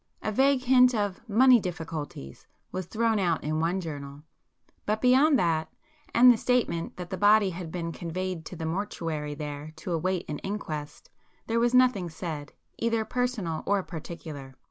A vague hint of 'money difficulties' was thrown out in one journal,—but beyond that, and the statement that the body had been conveyed to the mortuary there to await an inquest, there was nothing said, either personal or particular.